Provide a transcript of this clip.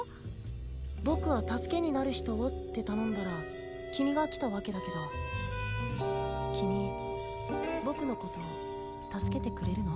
僕は助けになる人をって頼んだら君が来たわけだけど君僕のこと助けてくれるの？